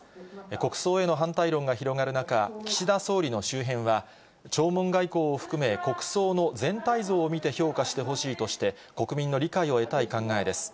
国葬への反対論が広がる中、岸田総理の周辺は、弔問外交を含め、国葬の全体像を見て評価してほしいとして、国民の理解を得たい考えです。